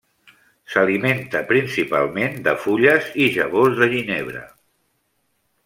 S'alimenta principalment de fulles i llavors de ginebre.